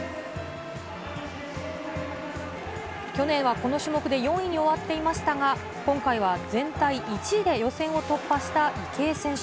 去年はこの種目で４位に終わっていましたが、今回は全体１位で予選を突破した池江選手。